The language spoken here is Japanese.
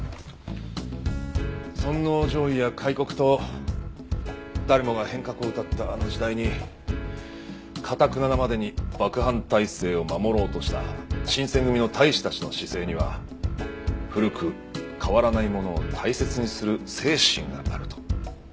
尊王攘夷や開国と誰もが変革を謳ったあの時代に頑ななまでに幕藩体制を守ろうとした新選組の隊士たちの姿勢には古く変わらないものを大切にする精神があると。